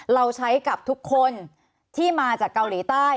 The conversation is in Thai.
เราใช้กับทุกคนที่มาจากเกาหลีใต้